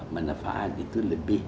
manfaat itu lebih